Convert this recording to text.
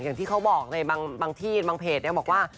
อย่างที่เขาบอกในบางที่บางเพจบอกว่า